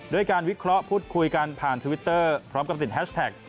ด้วยการวิเคราะห์พูดคุยกันผ่านทวิตเตอร์พร้อมกับติดแฮชแท็ก